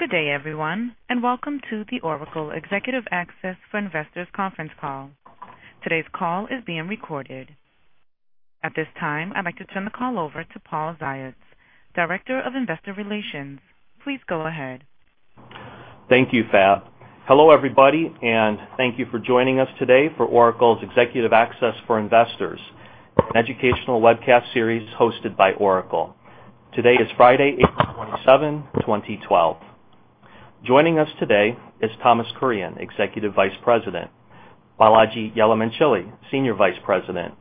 Good day, everyone, and welcome to the Oracle Executive Access for Investors Conference call. Today's call is being recorded. At this time, I'd like to turn the call over to Paul Ziots, Director of Investor Relations. Please go ahead. Thank you, Fat. Hello, everybody, and thank you for joining us today for Oracle's Executive Access for Investors, an educational webcast series hosted by Oracle. Today is Friday, April 27, 2012. Joining us today is Thomas Kurian, Executive Vice President, Balaji Yalamanchili, Senior Vice President,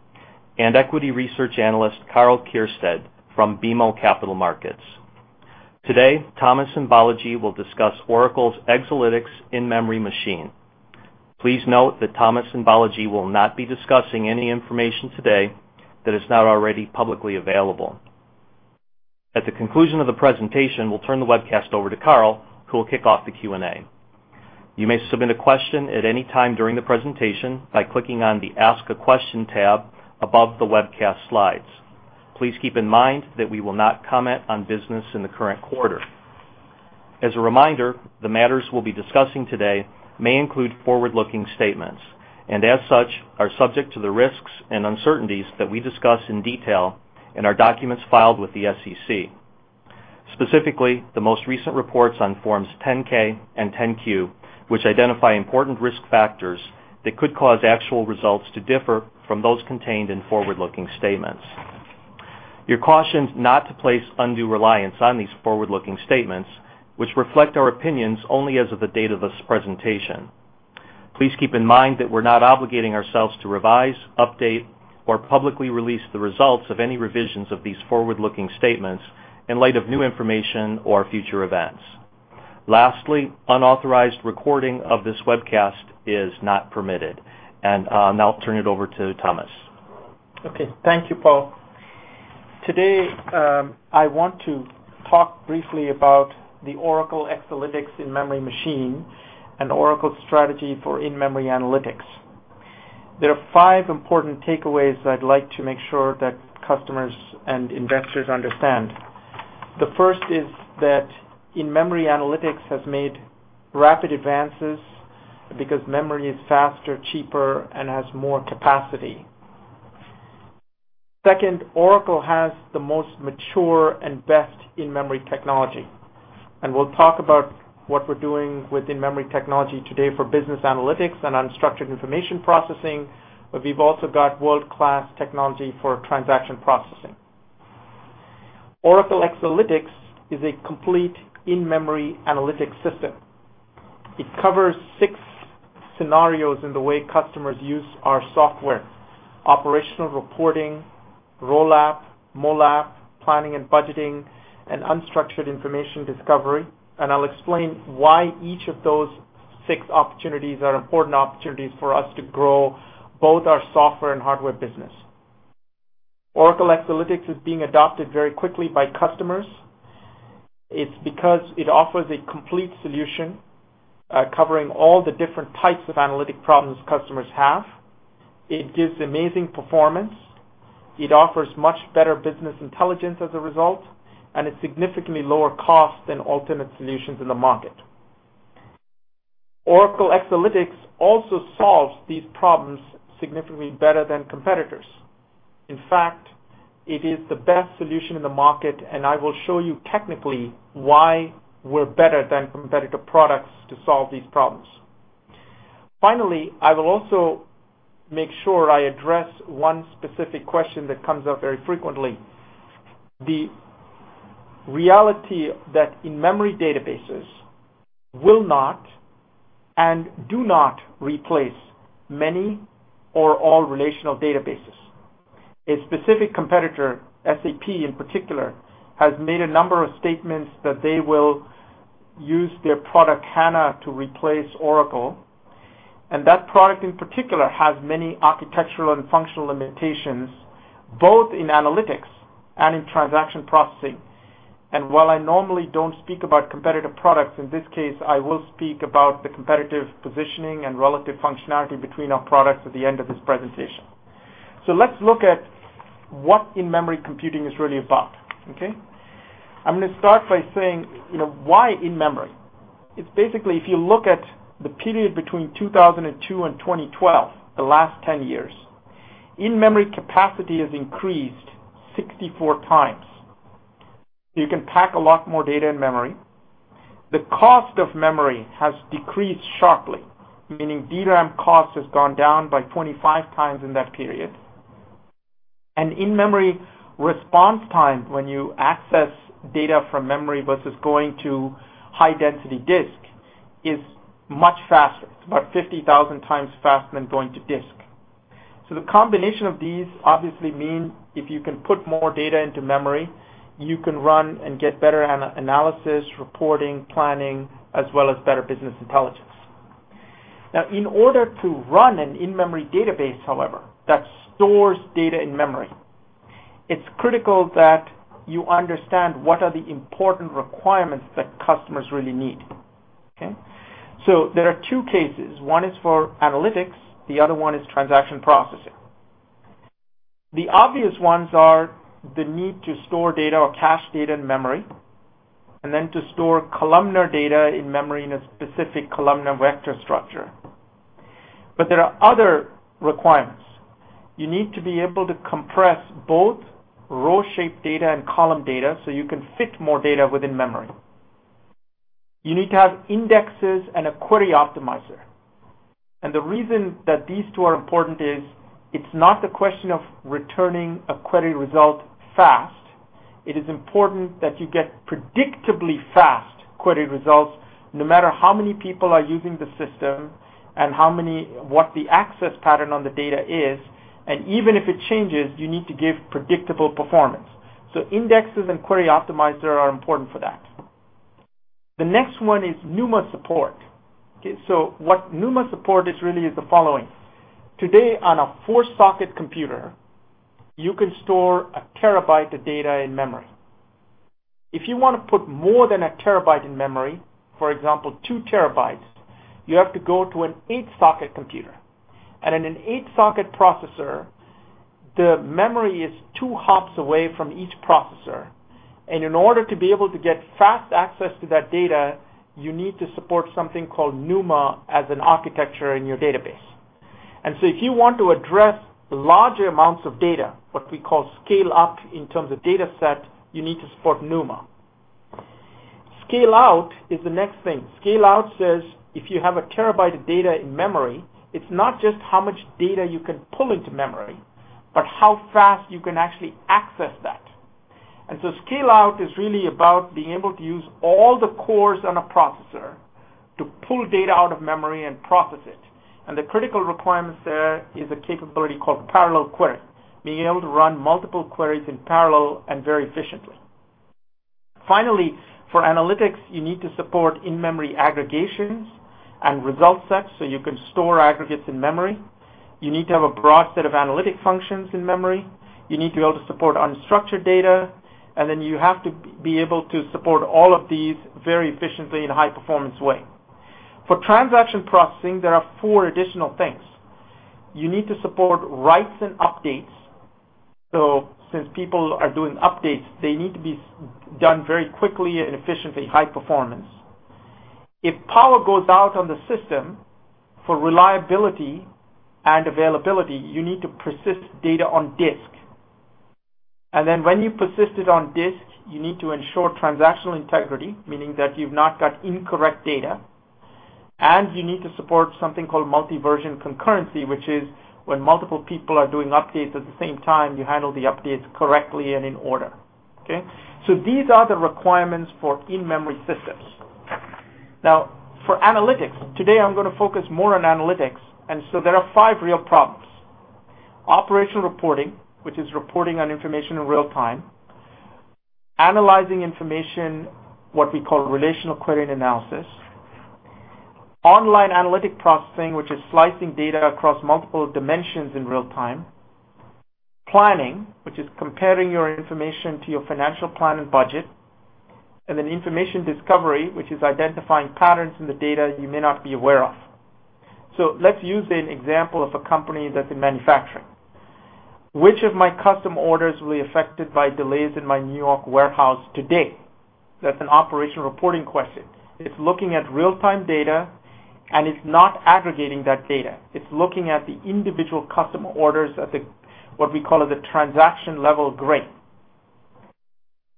and Equity Research Analyst, Karl Kirstead, from BMO Capital Markets. Today, Thomas and Balaji will discuss Oracle's Exalytics in-memory machine. Please note that Thomas and Balaji will not be discussing any information today that is not already publicly available. At the conclusion of the presentation, we'll turn the webcast over to Karl, who will kick off the Q&A. You may submit a question at any time during the presentation by clicking on the Ask a Question tab above the webcast slides. Please keep in mind that we will not comment on business in the current quarter. As a reminder, the matters we'll be discussing today may include forward-looking statements, and as such, are subject to the risks and uncertainties that we discuss in detail in our documents filed with the SEC. Specifically, the most recent reports on forms 10-K and 10-Q, which identify important risk factors that could cause actual results to differ from those contained in forward-looking statements. You're cautioned not to place undue reliance on these forward-looking statements, which reflect our opinions only as of the date of this presentation. Please keep in mind that we're not obligating ourselves to revise, update, or publicly release the results of any revisions of these forward-looking statements in light of new information or future events. Lastly, unauthorized recording of this webcast is not permitted. I'll turn it over to Thomas. OK, thank you, Paul. Today, I want to talk briefly about the Oracle Exalytics in-memory machine and Oracle's strategy for in-memory analytics. There are five important takeaways I'd like to make sure that customers and investors understand. The first is that in-memory analytics has made rapid advances because memory is faster, cheaper, and has more capacity. Second, Oracle has the most mature and best in-memory technology. We'll talk about what we're doing with in-memory technology today for business analytics and unstructured information processing. We've also got world-class technology for transaction processing. Oracle Exalytics is a complete in-memory analytics system. It covers six scenarios in the way customers use our software: operational reporting, roll-up, moll-up, planning and budgeting, and unstructured information discovery. I'll explain why each of those six opportunities are important opportunities for us to grow both our software and hardware business. Oracle Exalytics is being adopted very quickly by customers because it offers a complete solution covering all the different types of analytic problems customers have. It gives amazing performance. It offers much better business intelligence as a result. It's significantly lower cost than alternate solutions in the market. Oracle Exalytics also solves these problems significantly better than competitors. In fact, it is the best solution in the market. I will show you technically why we're better than competitor products to solve these problems. Finally, I will also make sure I address one specific question that comes up very frequently: the reality that in-memory databases will not and do not replace many or all relational databases. A specific competitor, SAP in particular, has made a number of statements that they will use their product SAP HANA to replace Oracle. That product in particular has many architectural and functional limitations, both in analytics and in transaction processing. While I normally don't speak about competitor products, in this case, I will speak about the competitive positioning and relative functionality between our products at the end of this presentation. Let's look at what in-memory computing is really about. OK? I'm going to start by saying why in-memory. It's basically, if you look at the period between 2002 and 2012, the last 10 years, in-memory capacity has increased 64 times. You can pack a lot more data in memory. The cost of memory has decreased sharply, meaning DRAM cost has gone down by 25 times in that period. In-memory response time, when you access data from memory versus going to high-density disk, is much faster. It's about 50,000 times faster than going to disk. The combination of these obviously means if you can put more data into memory, you can run and get better analysis, reporting, planning, as well as better business intelligence. Now, in order to run an in-memory database, however, that stores data in memory, it's critical that you understand what are the important requirements that customers really need. There are two cases. One is for analytics. The other one is transaction processing. The obvious ones are the need to store data or cache data in memory, and then to store columnar data in memory in a specific columnar vector structure. There are other requirements. You need to be able to compress both row-shaped data and column data so you can fit more data within memory. You need to have indexes and a query optimizer. The reason that these two are important is it's not the question of returning a query result fast. It is important that you get predictably fast query results, no matter how many people are using the system and what the access pattern on the data is. Even if it changes, you need to give predictable performance. Indexes and query optimizer are important for that. The next one is NUMA support. What NUMA support is really the following. Today, on a four-socket computer, you can store 1 TB of data in memory. If you want to put more than 1 TB in memory, for example, two TB, you have to go to an eight-socket computer. In an eight-socket processor, the memory is two hops away from each processor. In order to be able to get fast access to that data, you need to support something called NUMA as an architecture in your database. If you want to address larger amounts of data, what we call scale-up in terms of data set, you need to support NUMA. Scale-out is the next thing. Scale-out says if you have 1 TB of data in memory, it's not just how much data you can pull into memory, but how fast you can actually access that. Scale-out is really about being able to use all the cores on a processor to pull data out of memory and process it. The critical requirements there are a capability called parallel query, being able to run multiple queries in parallel and very efficiently. Finally, for analytics, you need to support in-memory aggregations and result sets so you can store aggregates in memory. You need to have a broad set of analytic functions in memory. You need to be able to support unstructured data. You have to be able to support all of these very efficiently in a high-performance way. For transaction processing, there are four additional things. You need to support writes and updates. Since people are doing updates, they need to be done very quickly and efficiently, high performance. If power goes out on the system, for reliability and availability, you need to persist data on disk. When you persist it on disk, you need to ensure transactional integrity, meaning that you've not got incorrect data. You need to support something called multi-version concurrency, which is when multiple people are doing updates at the same time, you handle the updates correctly and in order. These are the requirements for in-memory systems. Now, for analytics, today I'm going to focus more on analytics. There are five real problems: operational reporting, which is reporting on information in real time; analyzing information, what we call relational query and analysis; online analytic processing, which is slicing data across multiple dimensions in real time; planning, which is comparing your information to your financial plan and budget; and information discovery, which is identifying patterns in the data you may not be aware of. Let's use an example of a company that's in manufacturing. Which of my custom orders will be affected by delays in my New York warehouse today? That's an operational reporting question. It's looking at real-time data. It's not aggregating that data. It's looking at the individual customer orders at what we call the transaction-level grade.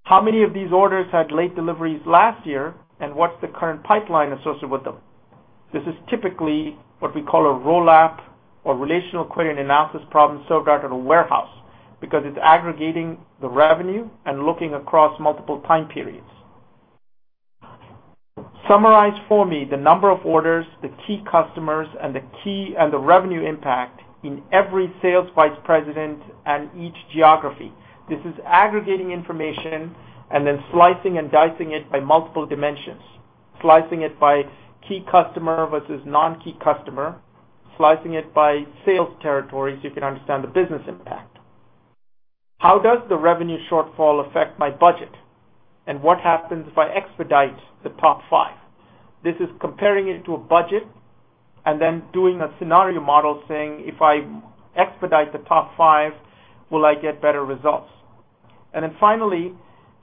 How many of these orders had late deliveries last year? What's the current pipeline associated with them? This is typically what we call a roll-up or relational query and analysis problem served out at a warehouse because it's aggregating the revenue and looking across multiple time periods. Summarize for me the number of orders, the key customers, and the revenue impact in every sales vice president and each geography. This is aggregating information and then slicing and dicing it by multiple dimensions, slicing it by key customer versus non-key customer, slicing it by sales territories so you can understand the business impact. How does the revenue shortfall affect my budget? What happens if I expedite the top five? This is comparing it to a budget and then doing a scenario model, saying, if I expedite the top five, will I get better results? Finally,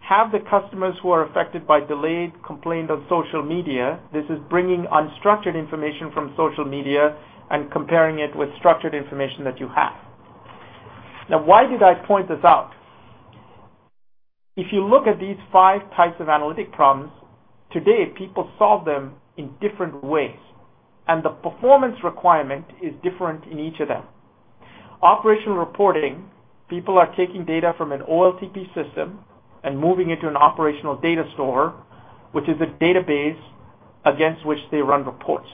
have the customers who are affected by delayed complained on social media? This is bringing unstructured information from social media and comparing it with structured information that you have. Now, why did I point this out? If you look at these five types of analytic problems, today people solve them in different ways. The performance requirement is different in each of them. Operational reporting, people are taking data from an OLTP system and moving it to an operational data store, which is a database against which they run reports.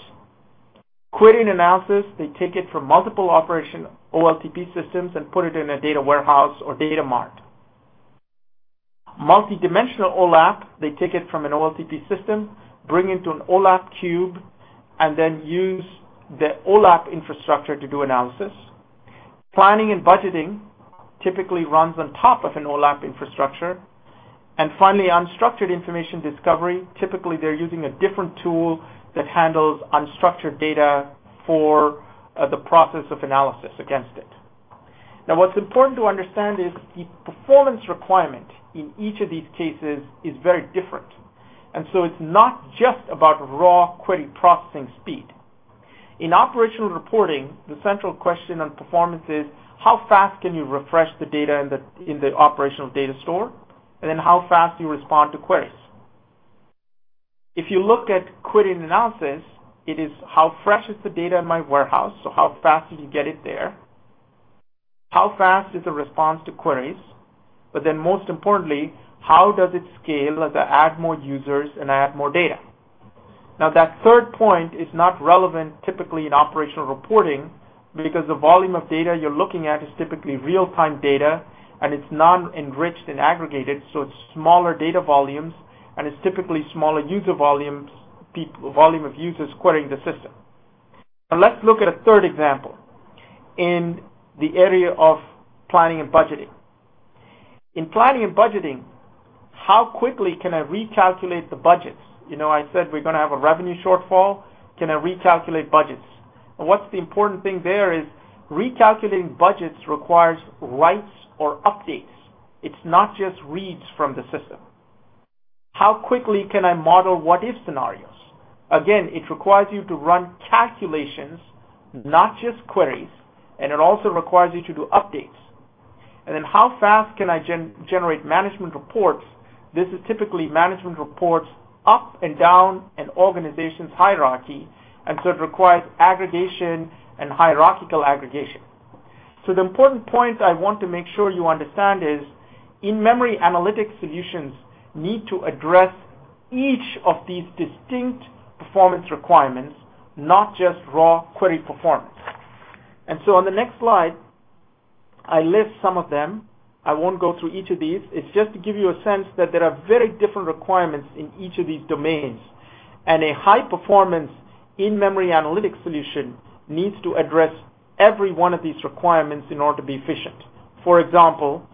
Query and analysis, they take it from multiple operation OLTP systems and put it in a data warehouse or data mart. Multi-dimensional roll-up, they take it from an OLTP system, bring it to an OLAP cube, and then use the OLAP infrastructure to do analysis. Planning and budgeting typically runs on top of an OLAP infrastructure. Finally, unstructured information discovery, typically they're using a different tool that handles unstructured data for the process of analysis against it. Now, what's important to understand is the performance requirement in each of these cases is very different. It's not just about raw query processing speed. In operational reporting, the central question on performance is how fast can you refresh the data in the operational data store? How fast do you respond to queries? If you look at query and analysis, it is how fresh is the data in my warehouse, so how fast do you get it there? How fast is the response to queries? Most importantly, how does it scale as I add more users and I add more data? That third point is not relevant typically in operational reporting because the volume of data you're looking at is typically real-time data. It's not enriched and aggregated, so it's smaller data volumes. It's typically smaller user volumes, the volume of users querying the system. Let's look at a third example in the area of planning and budgeting. In planning and budgeting, how quickly can I recalculate the budgets? I said we're going to have a revenue shortfall. Can I recalculate budgets? The important thing there is recalculating budgets requires writes or updates. It's not just reads from the system. How quickly can I model what-if scenarios? It requires you to run calculations, not just queries. It also requires you to do updates. How fast can I generate management reports? This is typically management reports up and down an organization's hierarchy. It requires aggregation and hierarchical aggregation. The important point I want to make sure you understand is in-memory analytics solutions need to address each of these distinct performance requirements, not just raw query performance. On the next slide, I list some of them. I won't go through each of these. It's just to give you a sense that there are very different requirements in each of these domains. A high-performance in-memory analytics solution needs to address every one of these requirements in order to be efficient. For example,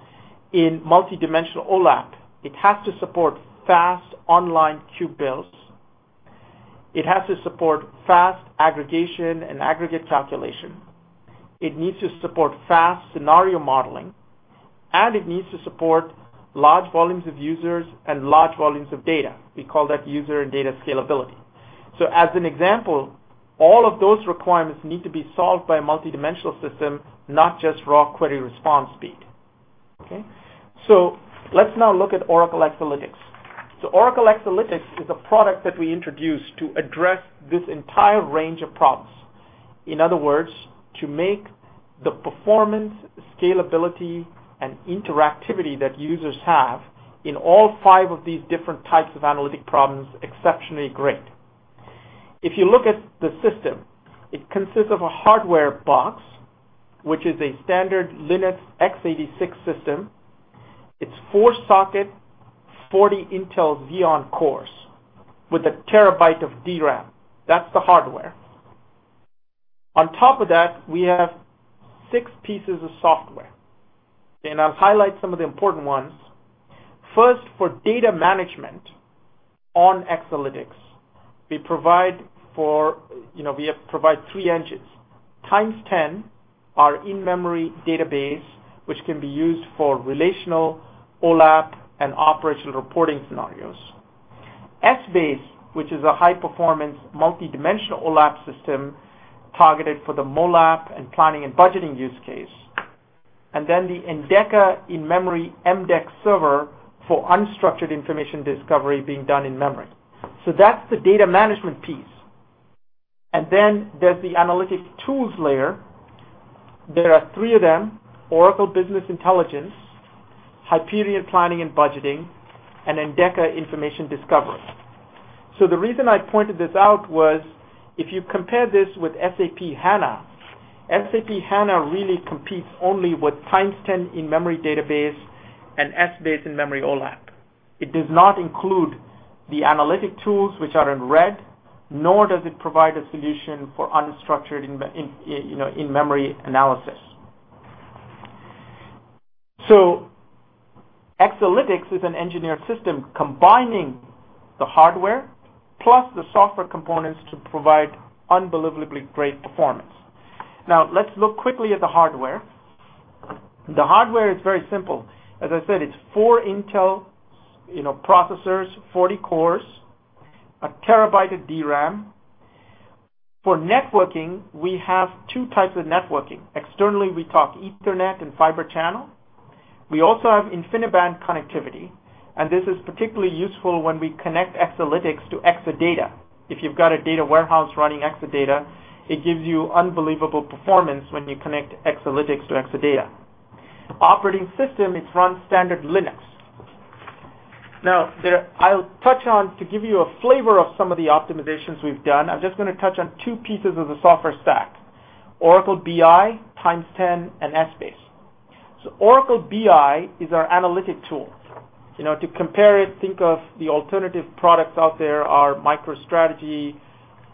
in multi-dimensional OLAP, it has to support fast online cube builds. It has to support fast aggregation and aggregate calculation. It needs to support fast scenario modeling. It needs to support large volumes of users and large volumes of data. We call that user and data scalability. As an example, all of those requirements need to be solved by a multi-dimensional system, not just raw query response speed. Let's now look at Oracle Exalytics. Oracle Exalytics is a product that we introduced to address this entire range of problems. In other words, to make the performance, scalability, and interactivity that users have in all five of these different types of analytic problems exceptionally great. If you look at the system, it consists of a hardware box, which is a standard Linux x86 system. It's four-socket, 40 Intel Xeon cores with 1 TB of DRAM. That's the hardware. On top of that, we have six pieces of software. I'll highlight some of the important ones. First, for data management on Oracle Exalytics, we provide three engines: TimesTen, our in-memory database, which can be used for relational OLAP and operational reporting scenarios; Essbase, which is a high-performance multi-dimensional OLAP system targeted for the multi-dimensional OLAP and planning and budgeting use case; and then the Endeca in-memory MDEX server for unstructured information discovery being done in memory. That's the data management piece. Then there's the analytic tools layer. There are three of them: Oracle Business Intelligence, Hyperion Planning and Budgeting, and Endeca Information Discovery. The reason I pointed this out was if you compare this with SAP HANA, SAP HANA really competes only with TimesTen in-memory database and Essbase in-memory OLAP. It does not include the analytic tools, which are in red, nor does it provide a solution for unstructured in-memory analysis. Oracle Exalytics is an engineered system combining the hardware plus the software components to provide unbelievably great performance. Now, let's look quickly at the hardware. The hardware is very simple. As I said, it's four Intel Xeon processors, 40 cores, 1 TB of DRAM. For networking, we have two types of networking. Externally, we talk Ethernet and Fibre Channel. We also have InfiniBand connectivity. This is particularly useful when we connect Exalytics to Exadata. If you've got a data warehouse running Exadata, it gives you unbelievable performance when you connect Exalytics to Exadata. Operating system, it runs standard Linux. Now, I'll touch on to give you a flavor of some of the optimizations we've done. I'm just going to touch on two pieces of the software stack: Oracle BI, TimesTen, and Essbase. Oracle BI is our analytic tool. To compare it, think of the alternative products out there: MicroStrategy,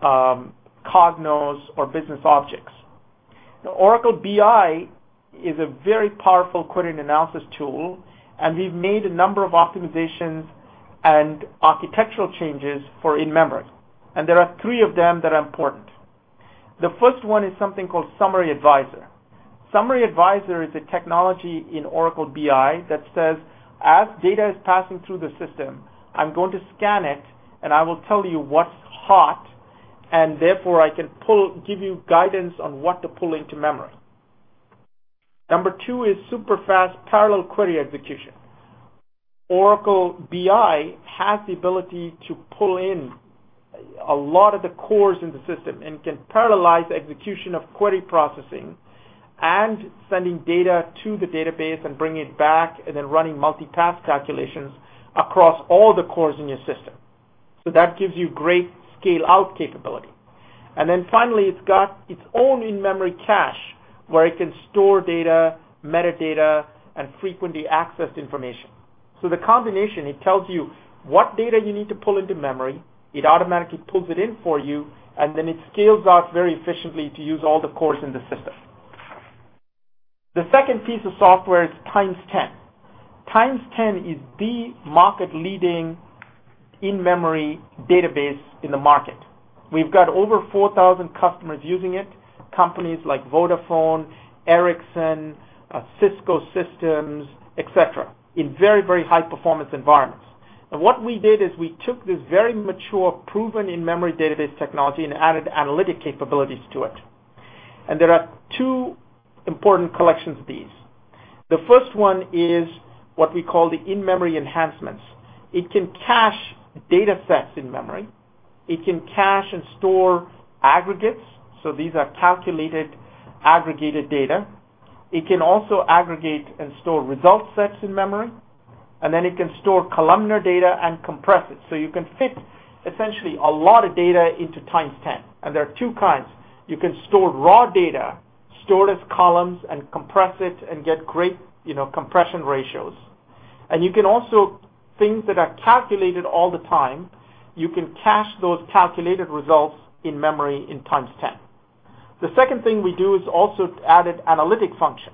Cognos, or Business Objects. Oracle BI is a very powerful query and analysis tool. We've made a number of optimizations and architectural changes for in-memory. There are three of them that are important. The first one is something called Summary Advisor. Summary Advisor is a technology in Oracle BI that says, as data is passing through the system, I'm going to scan it. I will tell you what's hot, and therefore, I can give you guidance on what to pull into memory. Number two is super fast parallel query execution. Oracle Business Intelligence has the ability to pull in a lot of the cores in the system and can parallelize the execution of query processing, sending data to the database, bringing it back, and then running multi-path calculations across all the cores in your system. That gives you great scale-out capability. It also has its own in-memory cache, where it can store data, metadata, and frequently accessed information. The combination tells you what data you need to pull into memory. It automatically pulls it in for you, and it scales out very efficiently to use all the cores in the system. The second piece of software is Oracle TimesTen In-Memory Database. TimesTen is the market-leading in-memory database in the market. We've got over 4,000 customers using it, companies like Vodafone, Ericsson, Cisco Systems, et cetera, in very, very high-performance environments. What we did is we took this very mature, proven in-memory database technology and added analytic capabilities to it. There are two important collections of these. The first one is what we call the in-memory enhancements. It can cache data sets in memory. It can cache and store aggregates, so these are calculated, aggregated data. It can also aggregate and store result sets in memory. It can store columnar data and compress it, so you can fit essentially a lot of data into TimesTen. There are two kinds. You can store raw data, store it as columns, compress it, and get great compression ratios. Things that are calculated all the time, you can cache those calculated results in memory in TimesTen. The second thing we do is also add analytic functions.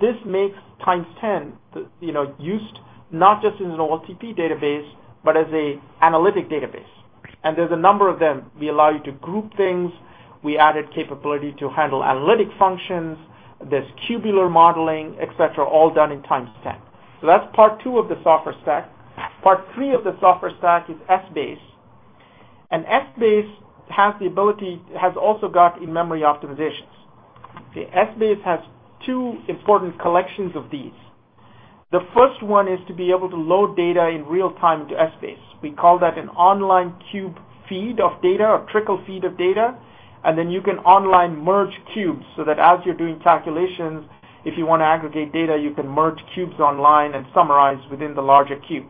This makes TimesTen used not just as an OLTP database, but as an analytic database. There are a number of them. We allow you to group things. We added capability to handle analytic functions. There's cubular modeling, et cetera, all done in TimesTen. That's part two of the software stack. Part three of the software stack is Oracle Essbase. Essbase has the ability and has also got in-memory optimizations. Essbase has two important collections of these. The first one is to be able to load data in real time to Essbase. We call that an online cube feed of data or trickle feed of data. You can online merge cubes so that as you're doing calculations, if you want to aggregate data, you can merge cubes online and summarize within the larger cube.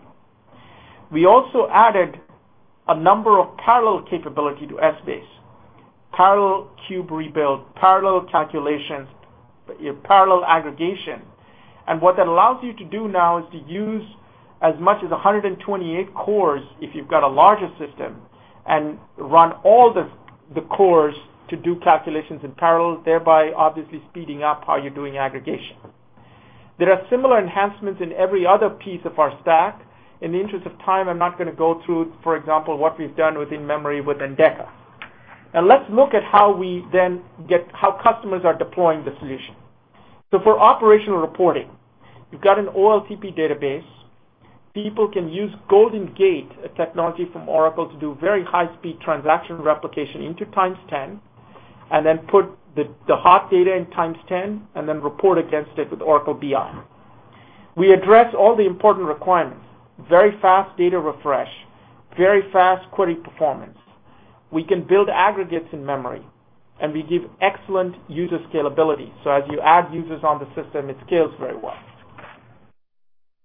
We also added a number of parallel capabilities to Essbase: parallel cube rebuild, parallel calculations, parallel aggregation. What that allows you to do now is to use as much as 128 cores if you've got a larger system and run all the cores to do calculations in parallel, thereby obviously speeding up how you're doing aggregation. There are similar enhancements in every other piece of our stack. In the interest of time, I'm not going to go through, for example, what we've done with in-memory with Oracle Endeca Information Discovery. Now, let's look at how we then get how customers are deploying the solution. For operational reporting, you've got an OLTP database. People can use GoldenGate, a technology from Oracle, to do very high-speed transaction replication into Oracle TimesTen In-Memory Database and then put the hot data in TimesTen and then report against it with Oracle Business Intelligence. We address all the important requirements: very fast data refresh, very fast query performance. We can build aggregates in memory, and we give excellent user scalability. As you add users on the system, it scales very well.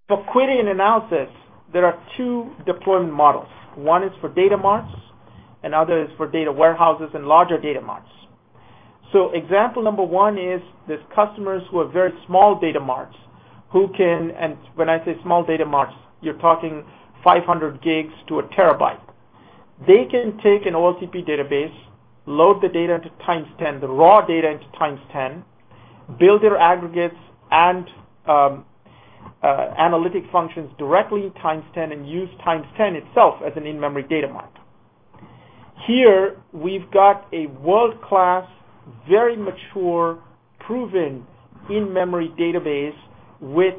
For query and analysis, there are two deployment models. One is for data marts, and the other is for data warehouses and larger data marts. Example number one is there's customers who are very small data marts who can, and when I say small data marts, you're talking 500 GB to 1 TB. They can take an OLTP database, load the data into TimesTen, the raw data into TimesTen, build their aggregates and analytic functions directly in TimesTen, and use TimesTen itself as an in-memory data mart. Here, we've got a world-class, very mature, proven in-memory database with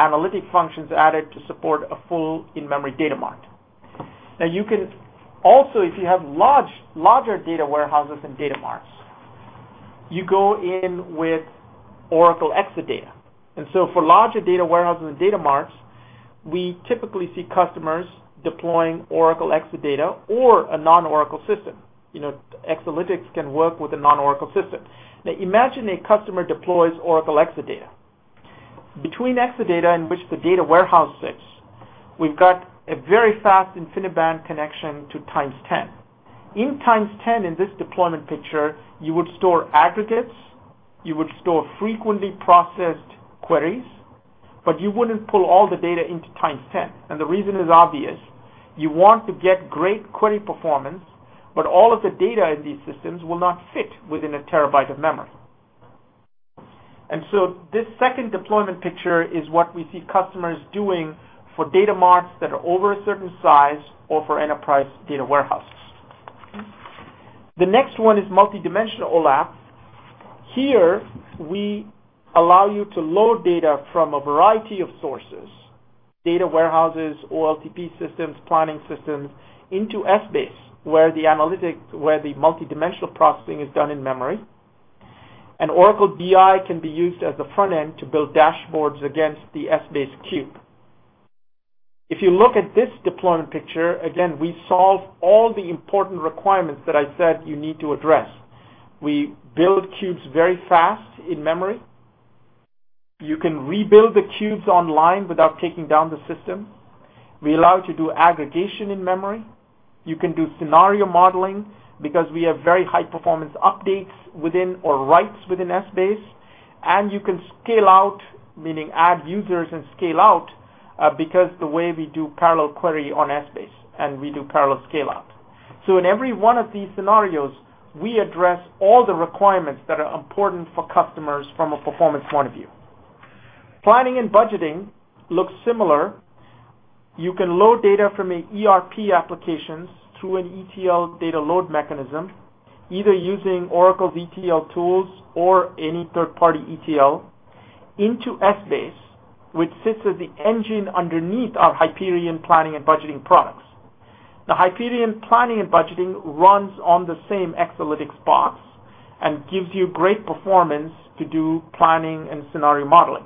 analytic functions added to support a full in-memory data mart. You can also, if you have larger data warehouses and data marts, go in with Oracle Exadata. For larger data warehouses and data marts, we typically see customers deploying Oracle Exadata or a non-Oracle system. Exalytics can work with a non-Oracle system. Imagine a customer deploys Oracle Exadata. Between Exadata, in which the data warehouse sits, we've got a very fast InfiniBand connection to TimesTen. In TimesTen, in this deployment picture, you would store aggregates. You would store frequently processed queries, but you wouldn't pull all the data into TimesTen. The reason is obvious. You want to get great query performance, but all of the data in these systems will not fit within 1 TB of memory. This second deployment picture is what we see customers doing for data marts that are over a certain size or for enterprise data warehouses. The next one is multi-dimensional OLAP. Here, we allow you to load data from a variety of sources: data warehouses, OLTP systems, planning systems into Oracle Essbase, where the multi-dimensional processing is done in memory. Oracle Business Intelligence can be used as the front end to build dashboards against the Essbase cube. If you look at this deployment picture, we solve all the important requirements that I said you need to address. We build cubes very fast in memory. You can rebuild the cubes online without taking down the system. We allow you to do aggregation in memory. You can do scenario modeling because we have very high-performance updates or writes within Essbase. You can scale out, meaning add users and scale out, because of the way we do parallel query on Essbase. We do parallel scale-out. In every one of these scenarios, we address all the requirements that are important for customers from a performance point of view. Planning and budgeting looks similar. You can load data from ERP applications through an ETL data load mechanism, either using Oracle's ETL tools or any third-party ETL, into Essbase, which sits as the engine underneath our Hyperion Planning and Budgeting products. The Hyperion Planning and Budgeting runs on the same Oracle Exalytics box and gives you great performance to do planning and scenario modeling.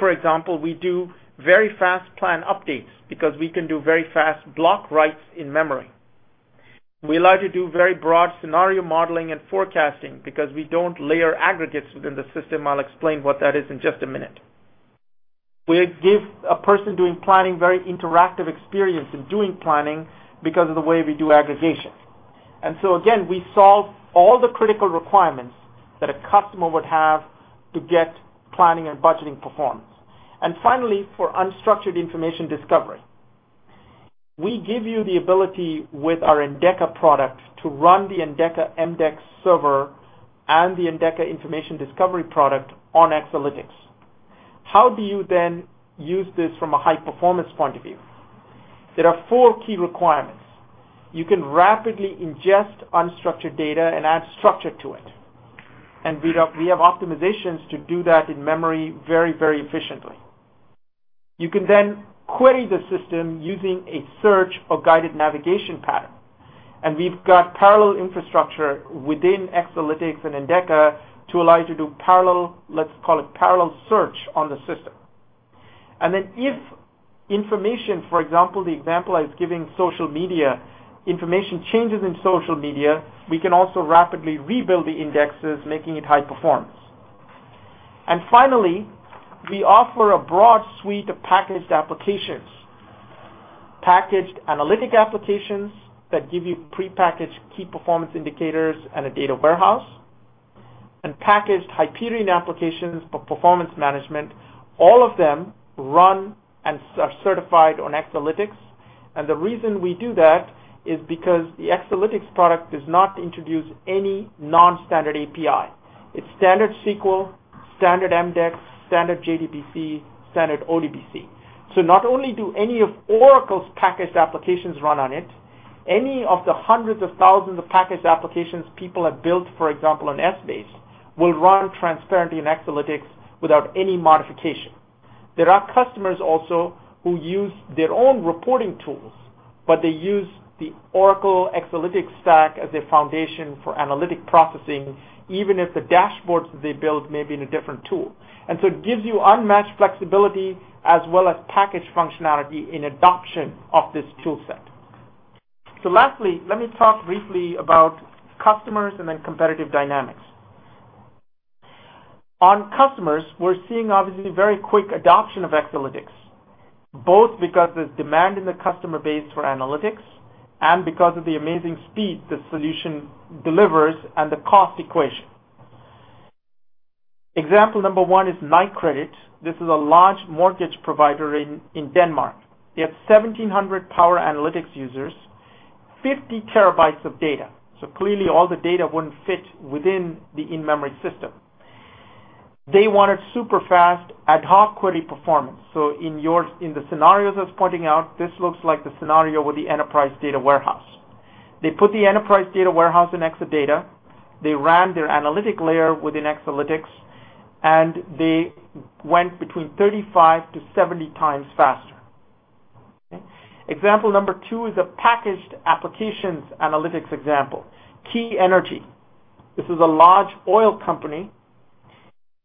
For example, we do very fast plan updates because we can do very fast block writes in memory. We allow you to do very broad scenario modeling and forecasting because we do not layer aggregates within the system. I'll explain what that is in just a minute. We give a person doing planning a very interactive experience in doing planning because of the way we do aggregation. Again, we solve all the critical requirements that a customer would have to get planning and budgeting performance. Finally, for unstructured information discovery, we give you the ability with our Oracle Endeca Information Discovery product to run the Endeca MDEX server and the Endeca Information Discovery product on Oracle Exalytics. How do you then use this from a high-performance point of view? There are four key requirements. You can rapidly ingest unstructured data and add structure to it. We have optimizations to do that in memory very efficiently. You can then query the system using a search or guided navigation pattern. We have parallel infrastructure within Oracle Exalytics and Oracle Endeca Information Discovery to allow you to do parallel, let's call it parallel search on the system. If information, for example, the example I was giving—social media—information changes in social media, we can also rapidly rebuild the indexes, making it high performance. Finally, we offer a broad suite of packaged applications: packaged analytic applications that give you prepackaged key performance indicators and a data warehouse, and packaged Hyperion Planning and Budgeting applications for performance management. All of them run and are certified on Oracle Exalytics. The reason we do that is because the Oracle Exalytics product does not introduce any non-standard API. It's standard SQL, standard MDX, standard JDBC, standard ODBC. Not only do any of Oracle's packaged applications run on it, any of the hundreds of thousands of packaged applications people have built, for example, on Oracle Essbase, will run transparently in Oracle Exalytics without any modification. There are customers also who use their own reporting tools. They use the Oracle Exalytics stack as a foundation for analytic processing, even if the dashboards they build may be in a different tool. It gives you unmatched flexibility, as well as packaged functionality in adoption of this toolset. Lastly, let me talk briefly about customers and then competitive dynamics. On customers, we're seeing obviously very quick adoption of Oracle Exalytics, both because of the demand in the customer base for analytics and because of the amazing speed the solution delivers and the cost equation. Example number one is Nykredit. This is a large mortgage provider in Denmark. They have 1,700 power analytics users, 50 TB of data. Clearly, all the data wouldn't fit within the in-memory system. They wanted super fast ad hoc query performance. In the scenarios I was pointing out, this looks like the scenario with the enterprise data warehouse. They put the enterprise data warehouse in Oracle Exadata. They ran their analytic layer within Oracle Exalytics, and they went between 35-70 times faster. Example number two is a packaged applications analytics example: Key Energy. This is a large oil company,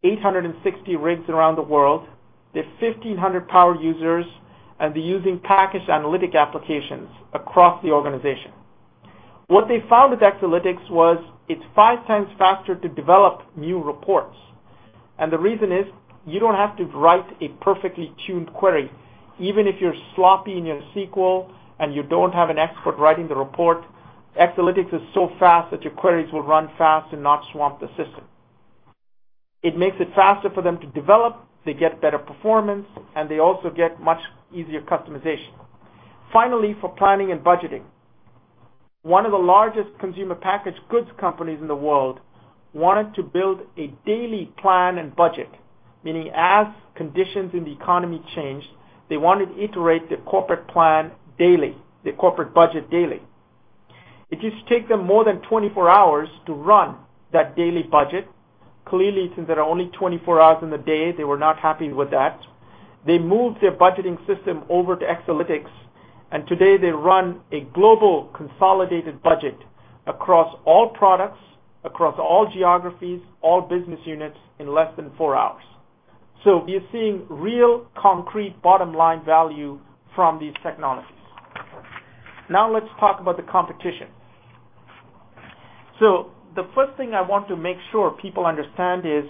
860 rigs around the world. They have 1,500 power users, and they're using packaged analytic applications across the organization. What they found with Oracle Exalytics was it's five times faster to develop new reports. The reason is you don't have to write a perfectly tuned query. Even if you're sloppy in your SQL and you don't have an expert writing the report, Oracle Exalytics is so fast that your queries will run fast and not swamp the system. It makes it faster for them to develop. They get better performance, and they also get much easier customization. Finally, for planning and budgeting, one of the largest consumer packaged goods companies in the world wanted to build a daily plan and budget, meaning as conditions in the economy changed, they wanted to iterate their corporate plan daily, their corporate budget daily. It used to take them more than 24 hours to run that daily budget. Clearly, since there are only 24 hours in the day, they were not happy with that. They moved their budgeting system over to Oracle Exalytics, and today, they run a global consolidated budget across all products, across all geographies, all business units in less than four hours. You're seeing real, concrete, bottom-line value from these technologies. Now, let's talk about the competition. The first thing I want to make sure people understand is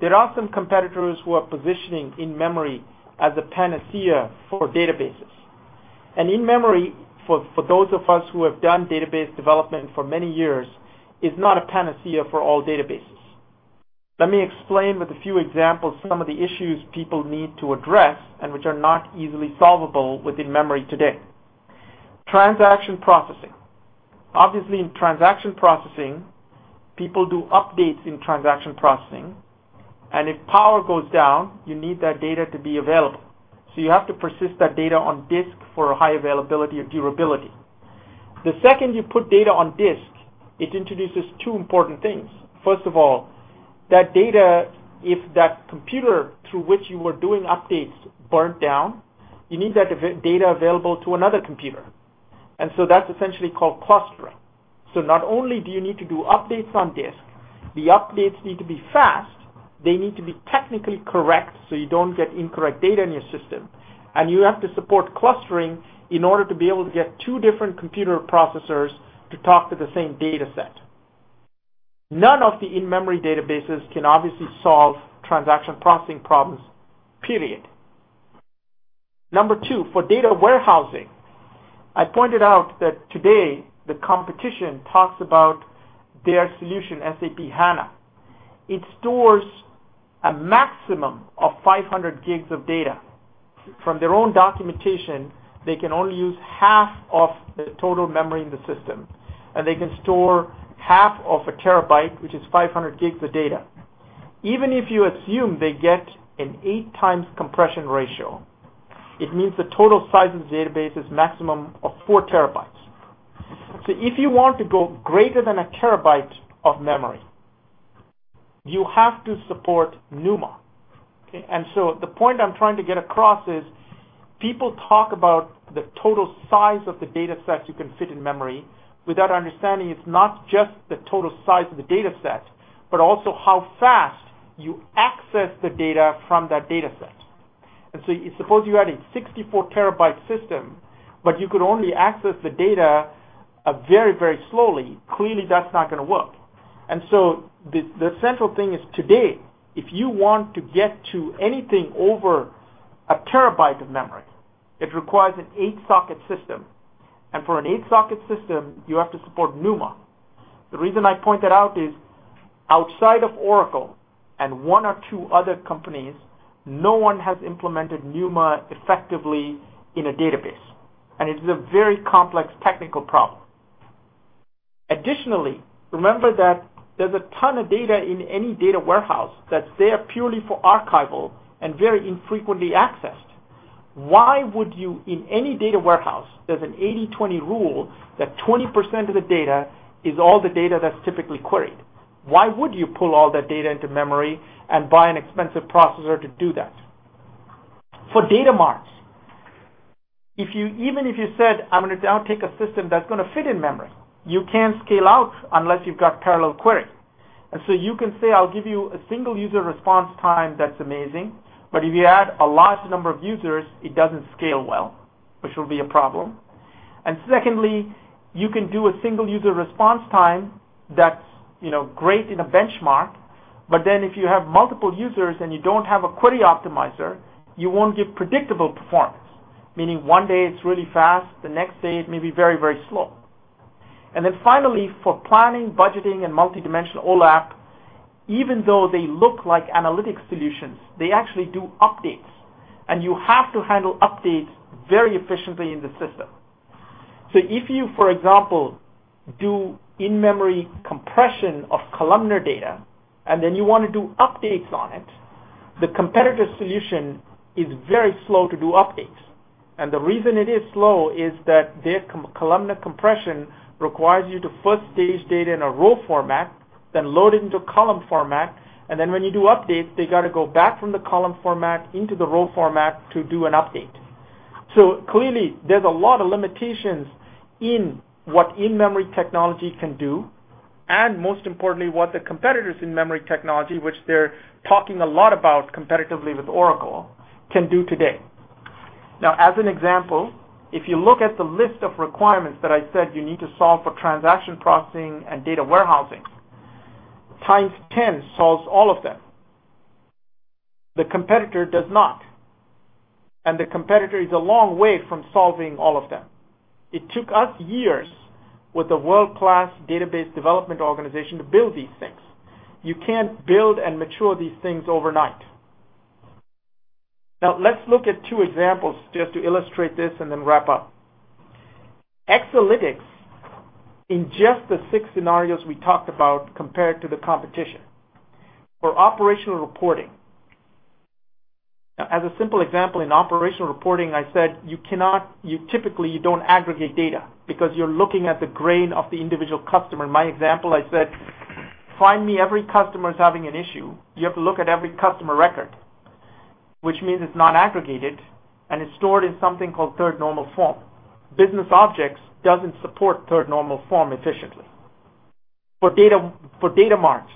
there are some competitors who are positioning in-memory as a panacea for databases. In-memory, for those of us who have done database development for many years, is not a panacea for all databases. Let me explain with a few examples some of the issues people need to address and which are not easily solvable with in-memory today. Transaction processing. Obviously, in transaction processing, people do updates in transaction processing. If power goes down, you need that data to be available. You have to persist that data on disk for high availability or durability. The second you put data on disk, it introduces two important things. First of all, that data, if that computer through which you were doing updates burned down, you need that data available to another computer. That's essentially called clustering. Not only do you need to do updates on disk, the updates need to be fast. They need to be technically correct so you don't get incorrect data in your system. You have to support clustering in order to be able to get two different computer processors to talk to the same data set. None of the in-memory databases can obviously solve transaction processing problems, period. Number two, for data warehousing, I pointed out that today the competition talks about their solution, SAP HANA. It stores a maximum of 500 GB of data. From their own documentation, they can only use half of the total memory in the system, and they can store 1/2 TB, which is 500 GB of data. Even if you assume they get an eight times compression ratio, it means the total size of the database is a maximum of 4 TB. If you want to go greater than 1 TB of memory, you have to support NUMA. The point I'm trying to get across is people talk about the total size of the data sets you can fit in memory without understanding it's not just the total size of the data set, but also how fast you access the data from that data set. Suppose you had a 64 TB system, but you could only access the data very, very slowly. Clearly, that's not going to work. The central thing is today, if you want to get to anything over 1 TB of memory, it requires an eight-socket system. For an eight-socket system, you have to support NUMA. The reason I point that out is outside of Oracle and one or two other companies, no one has implemented NUMA effectively in a database, and it is a very complex technical problem. Additionally, remember that there's a ton of data in any data warehouse that's there purely for archival and very infrequently accessed. In any data warehouse, there's an 80/20 rule that 20% of the data is all the data that's typically queried. Why would you pull all that data into memory and buy an expensive processor to do that? For data marts, even if you said, I'm going to now take a system that's going to fit in memory, you can't scale out unless you've got parallel query. You can say, I'll give you a single user response time that's amazing, but if you add a large number of users, it doesn't scale well, which will be a problem. Secondly, you can do a single user response time that's great in a benchmark, but if you have multiple users and you don't have a query optimizer, you won't get predictable performance, meaning one day it's really fast. The next day, it may be very, very slow. Finally, for planning, budgeting, and multi-dimensional OLAP, even though they look like analytic solutions, they actually do updates, and you have to handle updates very efficiently in the system. If you, for example, do in-memory compression of columnar data, and then you want to do updates on it, the competitor's solution is very slow to do updates. The reason it is slow is that their columnar compression requires you to first stage data in a row format, then load it into a column format. When you do updates, they've got to go back from the column format into the row format to do an update. Clearly, there's a lot of limitations in what in-memory technology can do, and most importantly, what the competitors' in-memory technology, which they're talking a lot about competitively with Oracle, can do today. For example, if you look at the list of requirements that I said you need to solve for transaction processing and data warehousing, Oracle TimesTen solves all of them. The competitor does not. The competitor is a long way from solving all of them. It took us years with a world-class database development organization to build these things. You can't build and mature these things overnight. Let's look at two examples just to illustrate this and then wrap up. Oracle Exalytics, in just the six scenarios we talked about, compared to the competition. For operational reporting, as a simple example, in operational reporting, I said you typically don't aggregate data because you're looking at the grain of the individual customer. In my example, I said, find me every customer that's having an issue. You have to look at every customer record, which means it's not aggregated. It's stored in something called third normal form. Business Objects doesn't support third normal form efficiently. For data marts,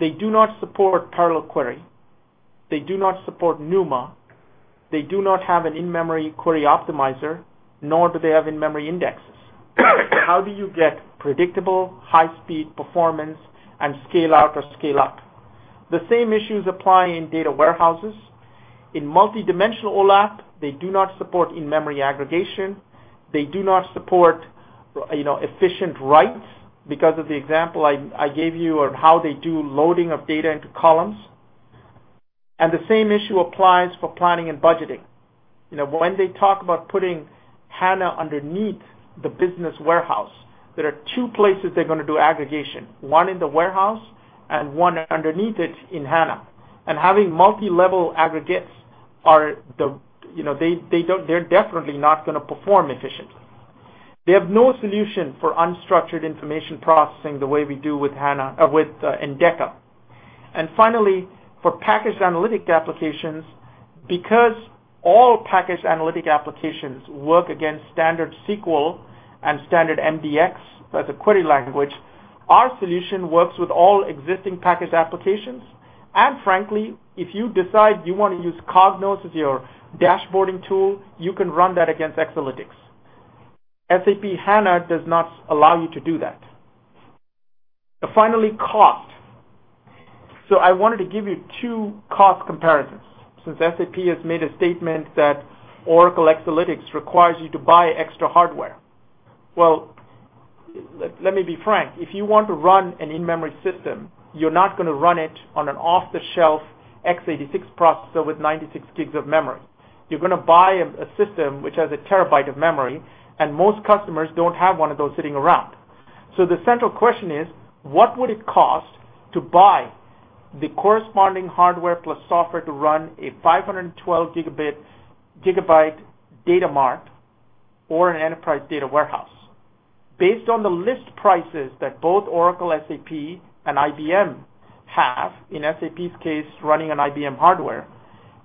they do not support parallel query. They do not support NUMA. They do not have an in-memory query optimizer, nor do they have in-memory indexes. How do you get predictable, high-speed performance and scale out or scale up? The same issues apply in data warehouses. In multi-dimensional OLAP, they do not support in-memory aggregation. They do not support efficient writes because of the example I gave you on how they do loading of data into columns. The same issue applies for planning and budgeting. When they talk about putting SAP HANA underneath the business warehouse, there are two places they're going to do aggregation: one in the warehouse and one underneath it in SAP HANA. Having multi-level aggregates, they're definitely not going to perform efficiently. They have no solution for unstructured information processing the way we do with Oracle Endeca Information Discovery. Finally, for packaged analytic applications, because all packaged analytic applications work against standard SQL and standard MDX as a query language, our solution works with all existing packaged applications. Frankly, if you decide you want to use Cognos as your dashboarding tool, you can run that against Oracle Exalytics. SAP HANA does not allow you to do that. Finally, cost. I wanted to give you two cost comparisons since SAP has made a statement that Oracle Exalytics requires you to buy extra hardware. Let me be frank. If you want to run an in-memory system, you're not going to run it on an off-the-shelf x86 processor with 96 GB of memory. You're going to buy a system which has 1 TB of memory, and most customers don't have one of those sitting around. The central question is, what would it cost to buy the corresponding hardware plus software to run a 512 GB data mart or an enterprise data warehouse? Based on the list prices that both Oracle, SAP, and IBM have, in SAP's case, running on IBM hardware,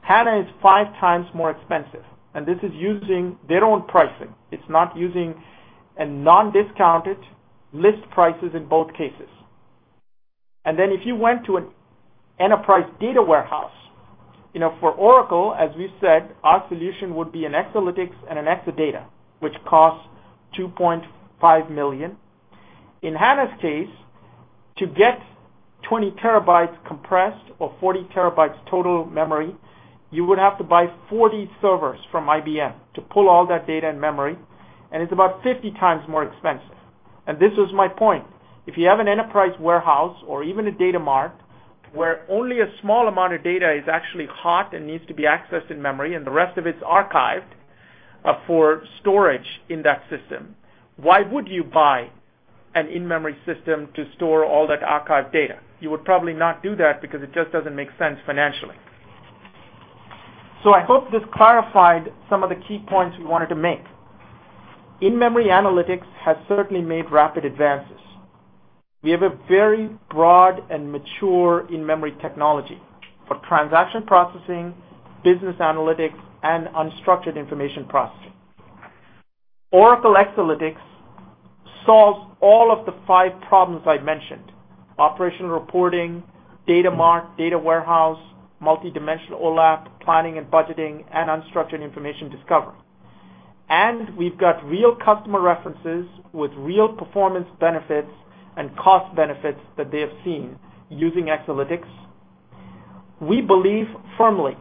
HANA is five times more expensive. This is using their own pricing. It's not using a non-discounted list prices in both cases. If you went to an enterprise data warehouse, for Oracle, as we said, our solution would be an Exalytics and an Exadata, which costs $2.5 million. In HANA's case, to get 20 TB compressed or 40 TB total memory, you would have to buy 40 servers from IBM to pull all that data in memory, and it's about 50 times more expensive. This was my point. If you have an enterprise warehouse or even a data mart where only a small amount of data is actually hot and needs to be accessed in memory and the rest of it's archived for storage in that system, why would you buy an in-memory system to store all that archived data? You would probably not do that because it just doesn't make sense financially. I hope this clarified some of the key points we wanted to make. In-memory analytics has certainly made rapid advances. We have a very broad and mature in-memory technology for transaction processing, business analytics, and unstructured information processing. Oracle Exalytics solves all of the five problems I mentioned: operational reporting, data mart, data warehouse, multi-dimensional OLAP, planning and budgeting, and unstructured information discovery. We've got real customer references with real performance benefits and cost benefits that they have seen using Exalytics. We believe firmly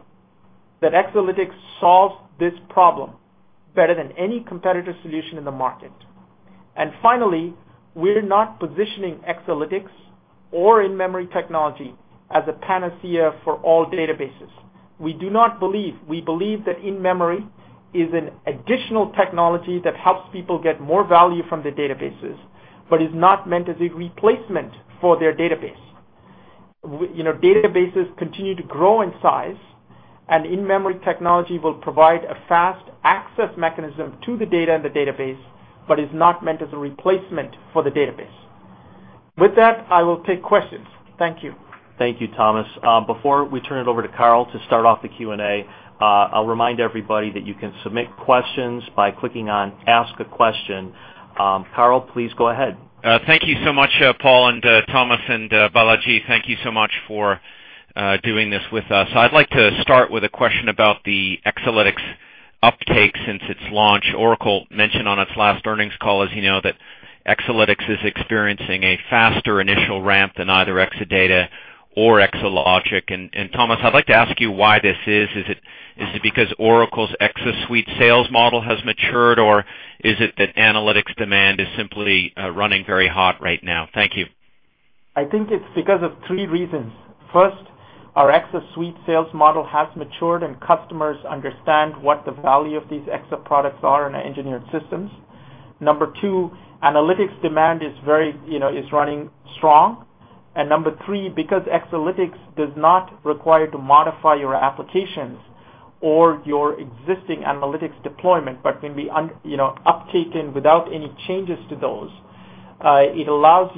that Oracle Exalytics solves this problem better than any competitor solution in the market. Finally, we're not positioning Exalytics or in-memory technology as a panacea for all databases. We do not believe. We believe that in-memory is an additional technology that helps people get more value from their databases, but is not meant as a replacement for their database. Databases continue to grow in size, and in-memory technology will provide a fast access mechanism to the data in the database, but is not meant as a replacement for the database. With that, I will take questions. Thank you. Thank you, Thomas. Before we turn it over to Karl to start off the Q&A, I'll remind everybody that you can submit questions by clicking on Ask a Question. Karl, please go ahead. Thank you so much, Paul and Thomas and Balaji. Thank you so much for doing this with us. I'd like to start with a question about the Exalytics uptake since its launch. Oracle mentioned on its last earnings call, as you know, that Exalytics is experiencing a faster initial ramp than either Exadata or Exalogic. Thomas, I'd like to ask you why this is. Is it because Oracle's ExaSuite sales model has matured? Is it that analytics demand is simply running very hot right now? Thank you. I think it's because of three reasons. First, our ExaSuite sales model has matured, and customers understand what the value of these Exa products are in our engineered systems. Number two, analytics demand is running strong. Number three, because Oracle Exalytics does not require you to modify your applications or your existing analytics deployment, but can be uptaken without any changes to those, it allows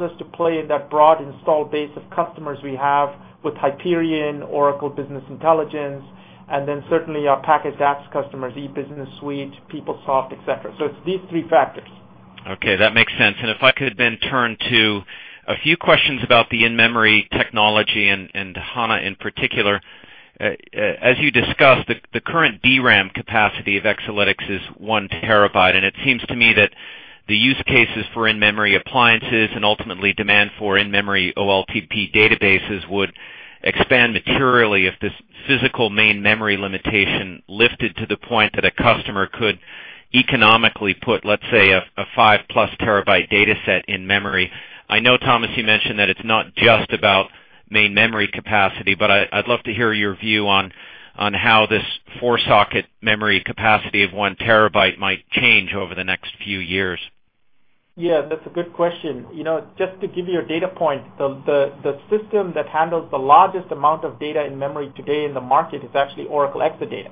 us to play in that broad install base of customers we have with Hyperion Planning and Budgeting, Oracle Business Intelligence, and certainly our packaged applications customers: eBusiness Suite, PeopleSoft, et cetera. It's these three factors. OK, that makes sense. If I could then turn to a few questions about the in-memory technology and SAP HANA in particular. As you discussed, the current DRAM capacity of Oracle Exalytics is 1 TB. It seems to me that the use cases for in-memory appliances and ultimately demand for in-memory OLTP databases would expand materially if this physical main memory limitation lifted to the point that a customer could economically put, let's say, a 5+ TB data set in memory. I know, Thomas, you mentioned that it's not just about main memory capacity. I'd love to hear your view on how this four-socket memory capacity of one terabyte might change over the next few years. Yeah, that's a good question. You know, just to give you a data point, the system that handles the largest amount of data in memory today in the market is actually Oracle Exadata.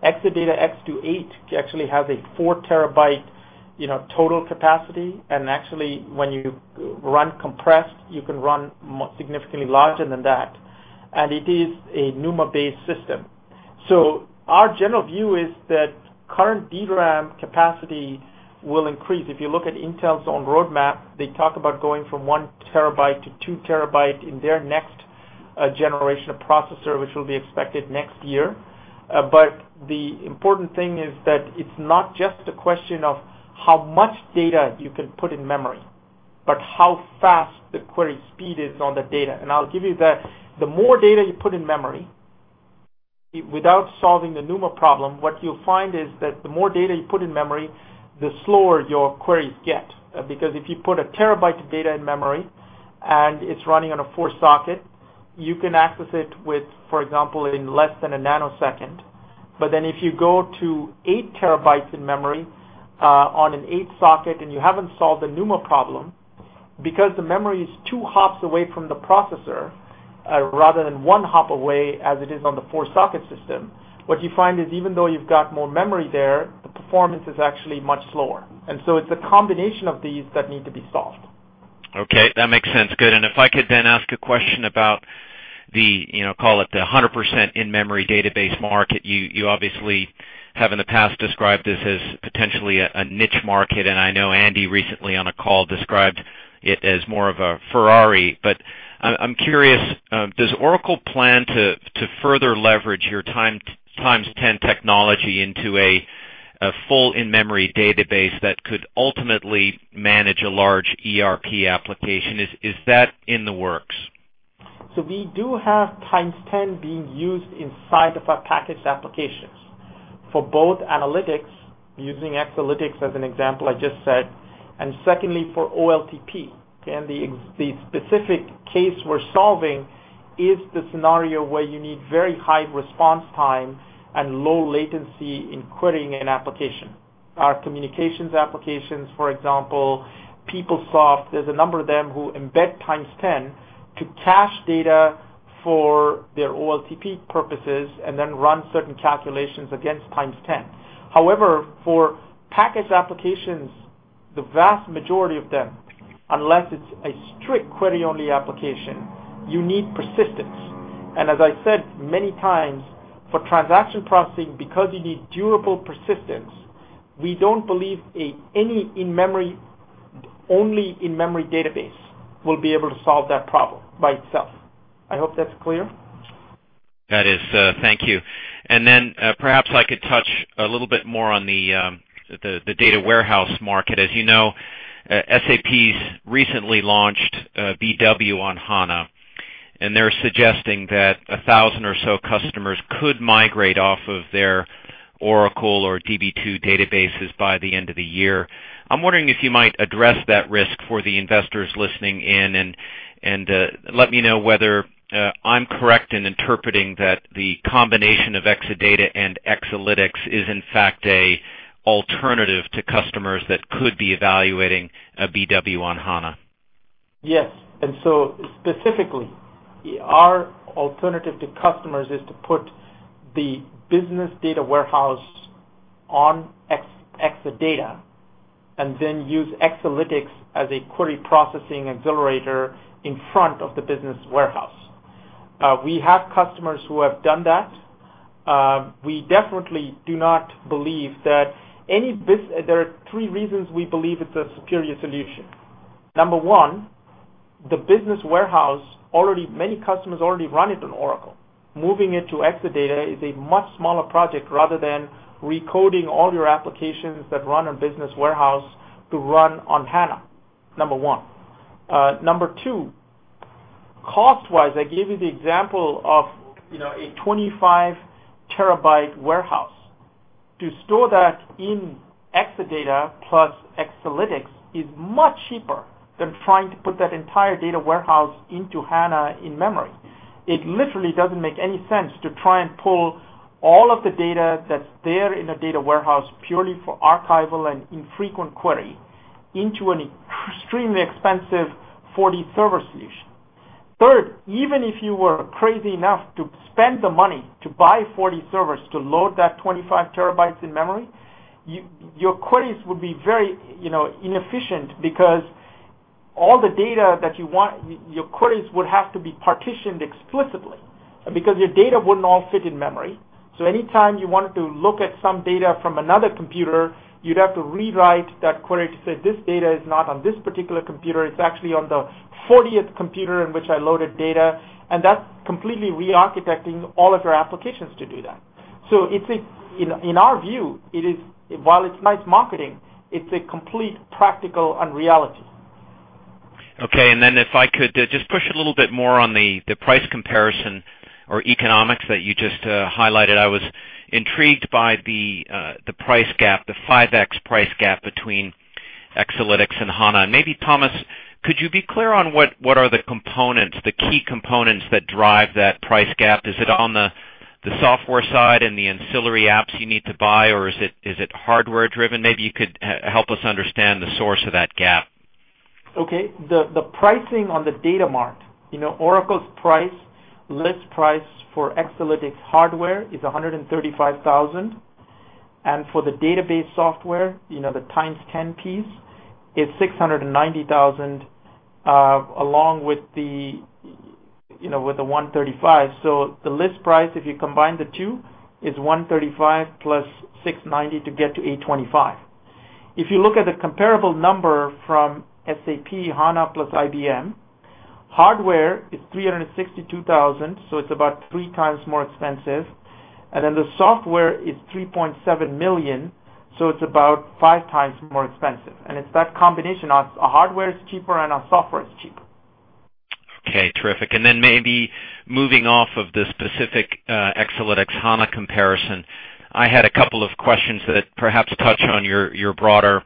Exadata x28 actually has a 4 TB total capacity. Actually, when you run compressed, you can run significantly larger than that. It is a NUMA-based system. Our general view is that current DRAM capacity will increase. If you look at Intel's own roadmap, they talk about going from 1 TB to 2 TB in their next generation of processor, which will be expected next year. The important thing is that it's not just a question of how much data you can put in memory, but how fast the query speed is on the data. I'll give you that. The more data you put in memory without solving the NUMA problem, what you'll find is that the more data you put in memory, the slower your queries get. If you put 1 TB of data in memory and it's running on a four-socket, you can access it, for example, in less than a nanosecond. If you go to 8 TB in memory on an eight-socket and you haven't solved the NUMA problem, because the memory is two hops away from the processor rather than one hop away as it is on the four-socket system, what you find is even though you've got more memory there, the performance is actually much slower. It's the combination of these that need to be solved. OK, that makes sense. Good. If I could then ask a question about the, call it, the 100% in-memory database market, you obviously have in the past described this as potentially a niche market. I know Andy recently on a call described it as more of a Ferrari. I'm curious, does Oracle plan to further leverage your TimesTen technology into a full in-memory database that could ultimately manage a large ERP application? Is that in the works? We do have Oracle TimesTen In-Memory Database being used inside of our packaged applications for both analytics, using Oracle Exalytics as an example I just said, and secondly for OLTP. The specific case we're solving is the scenario where you need very high response time and low latency in querying an application. Our communications applications, for example, PeopleSoft, there's a number of them who embed Oracle TimesTen In-Memory Database to cache data for their OLTP purposes and then run certain calculations against Oracle TimesTen In-Memory Database. However, for packaged applications, the vast majority of them, unless it's a strict query-only application, you need persistence. As I said many times, for transaction processing, because you need durable persistence, we don't believe any only in-memory database will be able to solve that problem by itself. I hope that's clear. Thank you. Perhaps I could touch a little bit more on the data warehouse market. As you know, SAP's recently launched BW on HANA, and they're suggesting that 1,000 or so customers could migrate off of their Oracle or DB2 databases by the end of the year. I'm wondering if you might address that risk for the investors listening in. Let me know whether I'm correct in interpreting that the combination of Exadata and Exalytics is, in fact, an alternative to customers that could be evaluating a BW on HANA. Yes. Specifically, our alternative to customers is to put the business data warehouse on Exadata and then use Oracle Exalytics as a query processing accelerator in front of the business warehouse. We have customers who have done that. We definitely do not believe that there are three reasons we believe it's a superior solution. Number one, the business warehouse, many customers already run it on Oracle. Moving it to Exadata is a much smaller project rather than recoding all your applications that run on business warehouse to run on SAP HANA, number one. Number two, cost-wise, I gave you the example of a 25 TB warehouse. To store that in Exadata plus Oracle Exalytics is much cheaper than trying to put that entire data warehouse into SAP HANA in-memory. It literally doesn't make any sense to try and pull all of the data that's there in the data warehouse purely for archival and infrequent query into an extremely expensive 40-server solution. Third, even if you were crazy enough to spend the money to buy 40 servers to load that 25 TB in-memory, your queries would be very inefficient because all the data that you want, your queries would have to be partitioned explicitly because your data wouldn't all fit in-memory. Anytime you wanted to look at some data from another computer, you'd have to rewrite that query to say this data is not on this particular computer. It's actually on the 40th computer in which I loaded data. That's completely re-architecting all of your applications to do that. In our view, while it's nice marketing, it's a complete practical unreality. OK. If I could just push a little bit more on the price comparison or economics that you just highlighted, I was intrigued by the price gap, the 5x price gap between Exalytics and HANA. Maybe, Thomas, could you be clear on what are the components, the key components that drive that price gap? Is it on the software side and the ancillary apps you need to buy, or is it hardware-driven? Maybe you could help us understand the source of that gap. OK. The pricing on the data mart, Oracle's price, list price for Oracle Exalytics hardware is $135,000. For the database software, the TimesTen piece is $690,000 along with the $135,000. The list price, if you combine the two, is $135,000 + $690,000 to get to $825,000. If you look at the comparable number from SAP HANA plus IBM, hardware is $362,000. It is about three times more expensive. The software is $3.7 million. It is about five times more expensive. It is that combination. Our hardware is cheaper and our software is cheaper. OK, terrific. Maybe moving off of the specific Exalytics-HANA comparison, I had a couple of questions that perhaps touch on your broader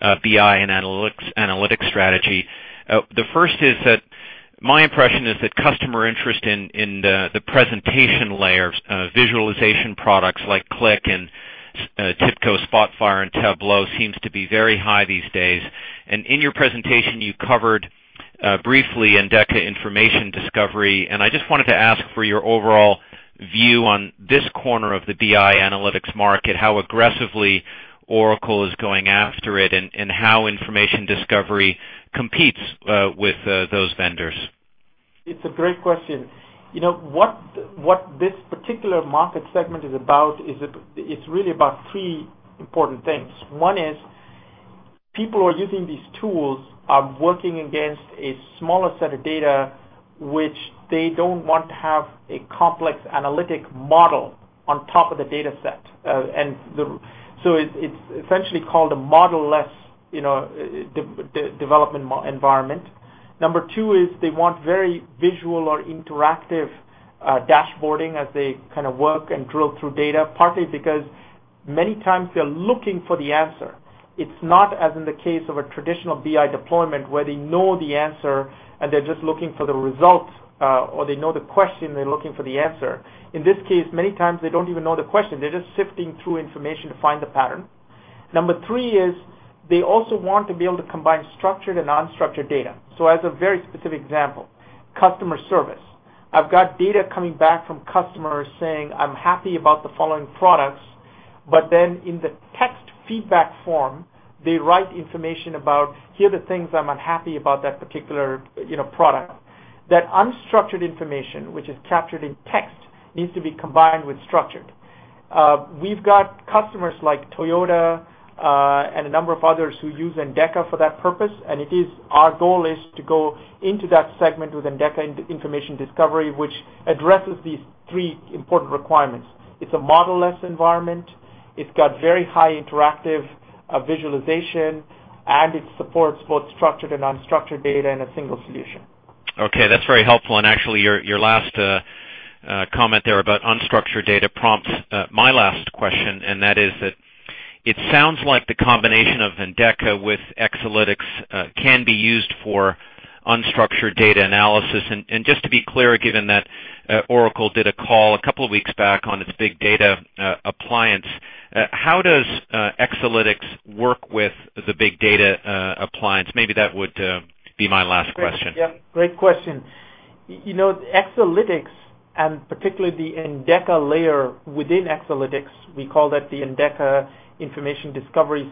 BI and analytics strategy. The first is that my impression is that customer interest in the presentation layer, visualization products like Qlik and TIBCO Spotfire and Tableau seems to be very high these days. In your presentation, you covered briefly Oracle Endeca Information Discovery. I just wanted to ask for your overall view on this corner of the BI analytics market, how aggressively Oracle is going after it, and how information discovery competes with those vendors. It's a great question. You know what this particular market segment is about is it's really about three important things. One is people who are using these tools are working against a smaller set of data, which they don't want to have a complex analytic model on top of the data set. It's essentially called a model-less development environment. Number two is they want very visual or interactive dashboarding as they kind of work and drill through data, partly because many times they're looking for the answer. It's not as in the case of a traditional BI deployment where they know the answer and they're just looking for the result or they know the question and they're looking for the answer. In this case, many times they don't even know the question. They're just sifting through information to find the pattern. Number three is they also want to be able to combine structured and unstructured data. As a very specific example, customer service. I've got data coming back from customers saying, I'm happy about the following products. In the text feedback form, they write information about, here are the things I'm unhappy about that particular product. That unstructured information, which is captured in text, needs to be combined with structured. We've got customers like Toyota and a number of others who use Oracle Endeca Information Discovery for that purpose. Our goal is to go into that segment with Oracle Endeca Information Discovery, which addresses these three important requirements. It's a model-less environment. It's got very high interactive visualization. It supports both structured and unstructured data in a single solution. OK, that's very helpful. Actually, your last comment there about unstructured data prompts my last question. It sounds like the combination of Oracle Endeca Information Discovery with Oracle Exalytics can be used for unstructured data analysis. Just to be clear, given that Oracle did a call a couple of weeks back on its Oracle Big Data Appliance, how does Oracle Exalytics work with the Oracle Big Data Appliance? Maybe that would be my last question. Yeah, great question. You know, Oracle Exalytics, and particularly the Oracle Endeca layer within Exalytics—we call that the Oracle Endeca Information Discovery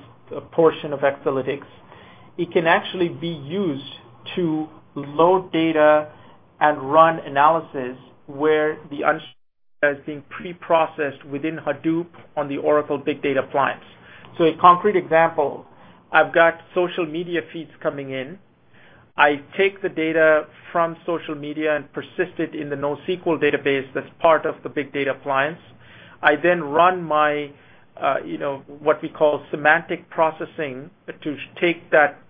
portion of Exalytics—it can actually be used to load data and run analysis where the data is being preprocessed within Hadoop on the Oracle Big Data Appliance. For example, I've got social media feeds coming in. I take the data from social media and persist it in the NoSQL database that's part of the Big Data Appliance. I then run what we call semantic processing to take that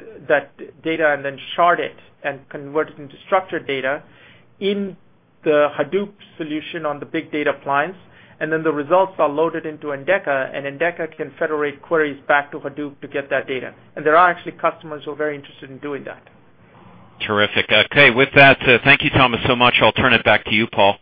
data and then shard it and convert it into structured data in the Hadoop solution on the Big Data Appliance. The results are loaded into Oracle Endeca, and Oracle Endeca can federate queries back to Hadoop to get that data. There are actually customers who are very interested in doing that. Terrific. OK, with that, thank you, Thomas, so much. I'll turn it back to you, Paul.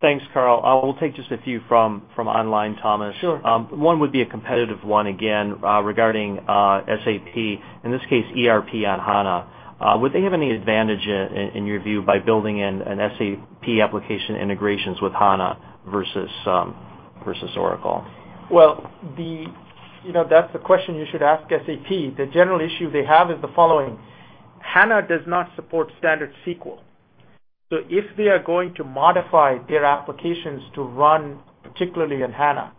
Thanks, Karl. I will take just a few from online, Thomas. Sure. One would be a competitive one again regarding SAP, in this case, ERP on SAP HANA. Would they have any advantage in your view by building in an SAP application integrations with SAP HANA versus Oracle? That's the question you should ask SAP. The general issue they have is the following. SAP HANA does not support standard SQL. If they are going to modify their applications to run particularly in SAP HANA,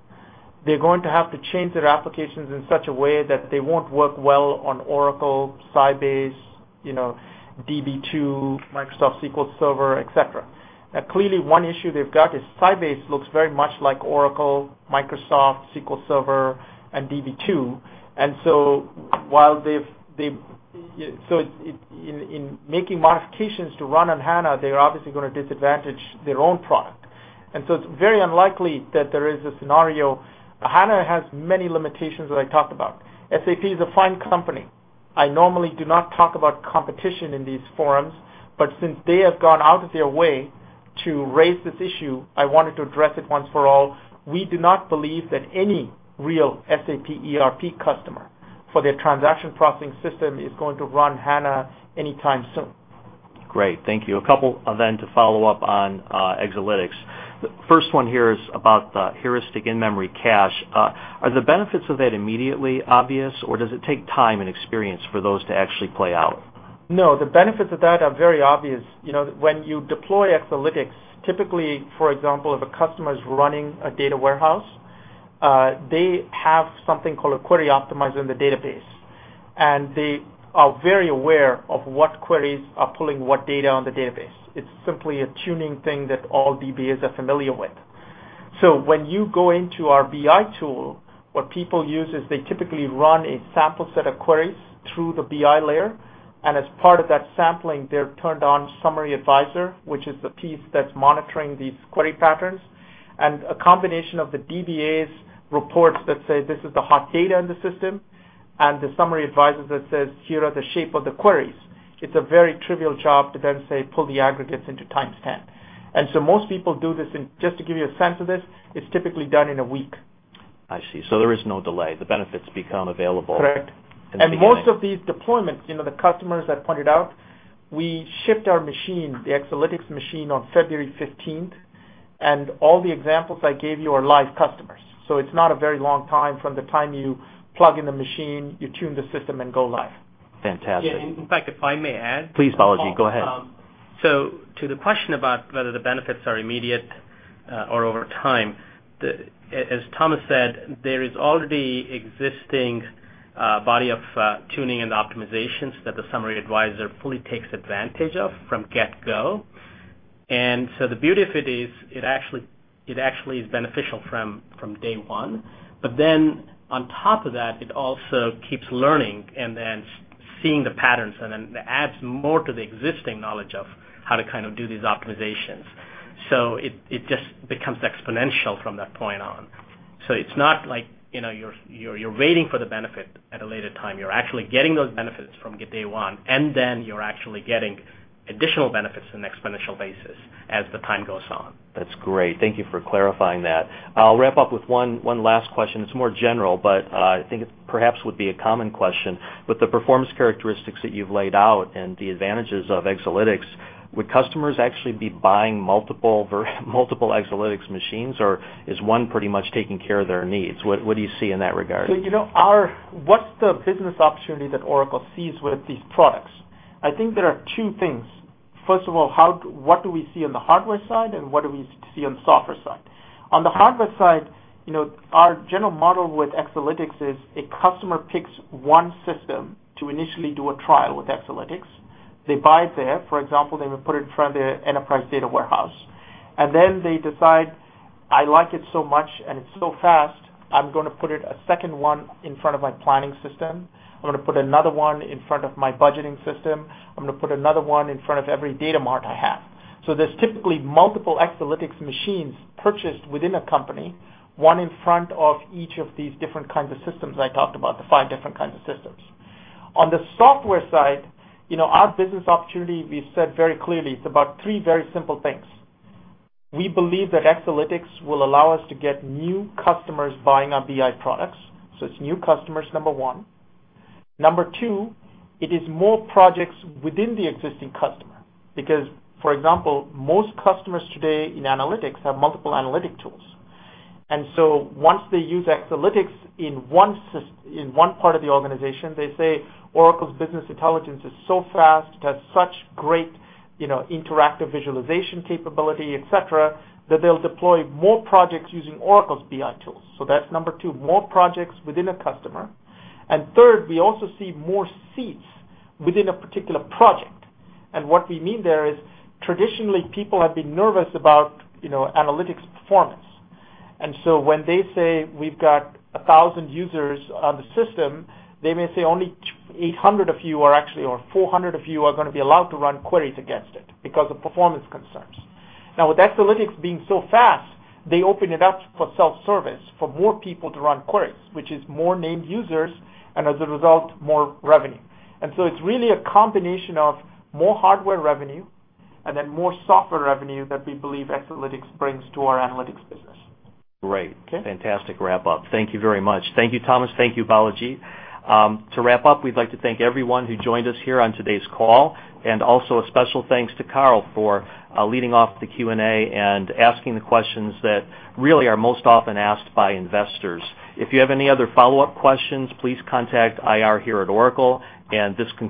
they're going to have to change their applications in such a way that they won't work well on Oracle, Sybase, DB2, Microsoft SQL Server, etc. Clearly, one issue they've got is Sybase looks very much like Oracle, Microsoft SQL Server, and DB2. In making modifications to run on SAP HANA, they're obviously going to disadvantage their own product. It is very unlikely that there is a scenario. SAP HANA has many limitations that I talked about. SAP is a fine company. I normally do not talk about competition in these forums. Since they have gone out of their way to raise this issue, I wanted to address it once for all. We do not believe that any real SAP ERP customer for their transaction processing system is going to run SAP HANA anytime soon. Great, thank you. A couple then to follow up on Oracle Exalytics. First one here is about the heuristic in-memory cache. Are the benefits of that immediately obvious? Or does it take time and experience for those to actually play out? No, the benefits of that are very obvious. When you deploy Oracle Exalytics, typically, for example, if a customer is running a data warehouse, they have something called a query optimizer in the database. They are very aware of what queries are pulling what data on the database. It's simply a tuning thing that all DBAs are familiar with. When you go into our Oracle Business Intelligence tool, what people use is they typically run a sample set of queries through the BI layer. As part of that sampling, they turn on Summary Advisor, which is the piece that's monitoring these query patterns, and a combination of the DBAs' reports that say this is the hot data in the system and the Summary Advisor that says, here are the shape of the queries. It's a very trivial job to then say pull the aggregates into Oracle TimesTen In-Memory Database. Most people do this, and just to give you a sense of this, it's typically done in a week. I see. There is no delay. The benefits become available. Correct. Most of these deployments, the customers I pointed out, we shipped our machine, the Oracle Exalytics machine, on February 15. All the examples I gave you are live customers. It's not a very long time from the time you plug in the machine, you tune the system, and go live. Fantastic. If I may add? Please, Balaji, go ahead. To the question about whether the benefits are immediate or over time, as Thomas said, there is already an existing body of tuning and optimizations that the Summary Advisor fully takes advantage of from the get-go. The beauty of it is it actually is beneficial from day one. On top of that, it also keeps learning and then seeing the patterns, and then it adds more to the existing knowledge of how to kind of do these optimizations. It just becomes exponential from that point on. It is not like you're waiting for the benefit at a later time. You're actually getting those benefits from day one, and then you're actually getting additional benefits on an exponential basis as the time goes on. That's great. Thank you for clarifying that. I'll wrap up with one last question. It's more general. I think it perhaps would be a common question. With the performance characteristics that you've laid out and the advantages of Oracle Exalytics, would customers actually be buying multiple Oracle Exalytics machines? Or is one pretty much taking care of their needs? What do you see in that regard? What is the business opportunity that Oracle sees with these products? I think there are two things. First of all, what do we see on the hardware side? What do we see on the software side? On the hardware side, our general model with Oracle Exalytics is a customer picks one system to initially do a trial with Exalytics. They buy it there. For example, they may put it in front of their enterprise data warehouse. They decide, I like it so much and it's so fast, I'm going to put a second one in front of my planning system. I'm going to put another one in front of my budgeting system. I'm going to put another one in front of every data mart I have. There are typically multiple Exalytics machines purchased within a company, one in front of each of these different kinds of systems I talked about, the five different kinds of systems. On the software side, our business opportunity, we said very clearly, it's about three very simple things. We believe that Exalytics will allow us to get new customers buying our Oracle Business Intelligence products. It's new customers, number one. Number two, it is more projects within the existing customer. For example, most customers today in analytics have multiple analytic tools. Once they use Exalytics in one part of the organization, they say Oracle's business intelligence is so fast, it has such great interactive visualization capability, et cetera, that they'll deploy more projects using Oracle's BI tools. That's number two, more projects within a customer. Third, we also see more seats within a particular project. What we mean there is traditionally, people have been nervous about analytics performance. When they say we've got 1,000 users on the system, they may say only 800 of you are actually, or 400 of you are going to be allowed to run queries against it because of performance concerns. Now, with Exalytics being so fast, they open it up for self-service for more people to run queries, which is more named users and, as a result, more revenue. It's really a combination of more hardware revenue and then more software revenue that we believe Exalytics brings to our analytics business. Great. Fantastic wrap-up. Thank you very much. Thank you, Thomas. Thank you, Balaji. To wrap up, we'd like to thank everyone who joined us here on today's call. Also, a special thanks to Karl for leading off the Q&A and asking the questions that really are most often asked by investors. If you have any other follow-up questions, please contact IR here at Oracle. This concludes.